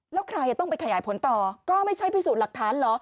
แล้วใครจะต้องไปขยายผลต่อก็ไม่ใช่พิสูจน์หลักฐานเหรอ